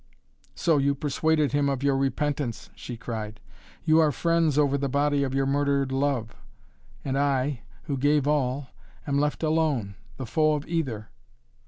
"So you persuaded him of your repentance," she cried. "You are friends over the body of your murdered love! And I who gave all am left alone, the foe of either.